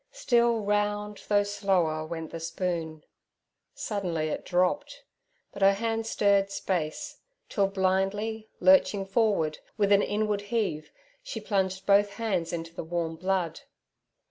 Still round, though slower, went the spoon. Suddenly it dropped, but her hand stirred space, till blindly lurching forward, with an inward heave, she plunged both hands into the warm blood.